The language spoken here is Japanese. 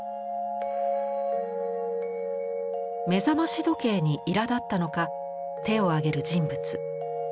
目覚まし時計にいらだったのか手を上げる人物。